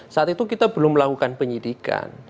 saat itu kita belum melakukan penyidikan